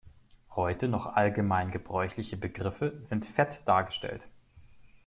Heute noch allgemein gebräuchliche Begriffe sind fett dargestellt.